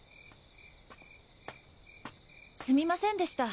すみませんでした。